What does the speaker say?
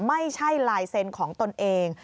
ไม่ใช่ลายเซ็นต์ของตนเอง